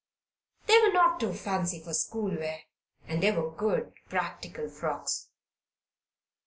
They were not too fancy for school wear, and they were good, practical frocks.